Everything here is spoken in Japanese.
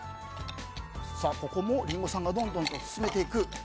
ここもリンゴさんがどんどんと進めていく。